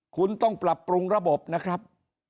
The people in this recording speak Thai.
คุณต้องปรับปรุงระบบนะครับ